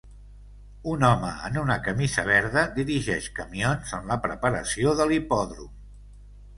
Un home en una camisa verda dirigeix camions en la preparació de l'hipòdrom.